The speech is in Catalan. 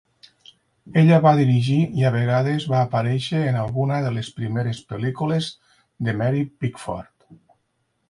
Ella va dirigir i a vegades va aparèixer en alguna de les primeres pel·lícules de Mary Pickford.